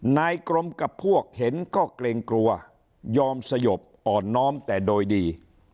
นายกรมกับพวกเห็นก็เกรงกลัวยอมสยบอ่อนน้อมแต่โดยดี